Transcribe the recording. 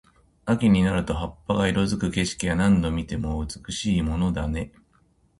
秋になると葉っぱが色付く景色は、何度見ても美しいものだね。